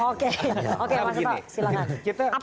oke mas epa silakan